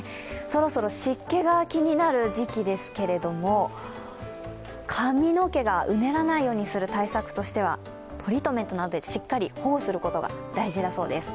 そろそろ湿気が気になる時期ですけれども、髪の毛がうねられないようにする対策としてはトリートメントなどでしっかり保護することが大事だそうです。